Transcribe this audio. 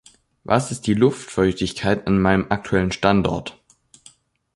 Was ist die Luftfeuchtigkeit an meinem aktuellen Standort?